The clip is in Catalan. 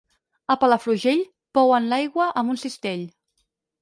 A Palafrugell, pouen l'aigua amb un cistell.